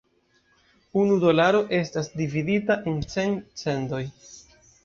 Unu dolaro estas dividita en cent "cendoj".